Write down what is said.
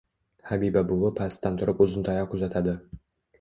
Habiba buvi pastdan turib uzun tayoq uzatadi.